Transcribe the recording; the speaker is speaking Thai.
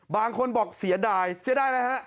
บางคนบอกเสียดายเสียดายอะไรหรอ